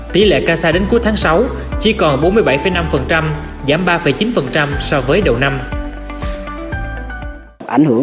tỷ lệ kasha đến cuối tháng sáu chỉ còn bốn mươi bảy năm